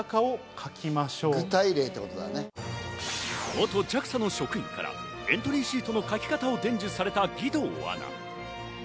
元ＪＡＸＡ職員からエントリーシートの書き方を伝授された義堂アナ。